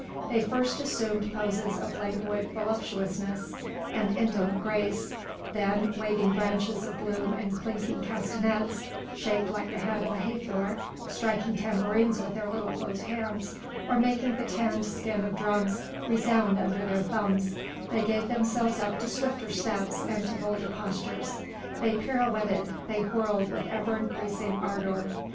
They first assumed poses of languid voluptuousness and indolent grace, then, waving branches of bloom and clinking castanets, shaped like the head of Hathor, striking tambourines with their little closed hands, or making the tanned skin of drums resound under their thumbs, they gave themselves up to swifter steps and to bolder postures; they pirouetted, they whirled with ever increasing ardour.